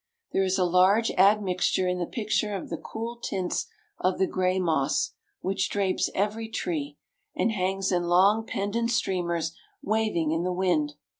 There is a large admixture in the picture of the cool tints of the gray moss, which drapes every tree, and hangs in long pendent streamers waving in the wind.